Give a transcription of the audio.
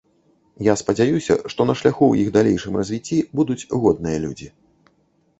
Я спадзяюся, што на шляху ў іх далейшым развіцці будуць годныя людзі.